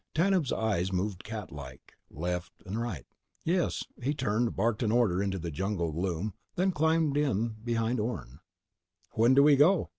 Tanub's eyes moved catlike: right, left. "Yes." He turned, barked an order into the jungle gloom, then climbed in behind Orne. "When do we go?"